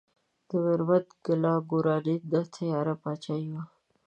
د میربت کلا ګورواني خو تیاره پاچاهي وه.